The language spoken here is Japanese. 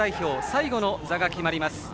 最後の座が決まります。